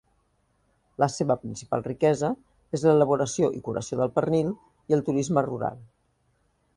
La seva principal riquesa és l'elaboració i curació del pernil i el turisme rural.